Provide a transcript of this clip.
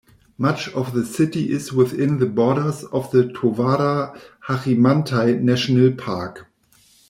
Much of the city is within the borders of the Towada-Hachimantai National Park.